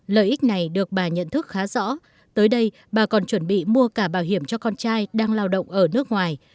lợi ích này được bà nhận thức khá rõ tới đây bà còn chuẩn bị mua cả bảo hiểm cho con trai đang lao động ở nước ngoài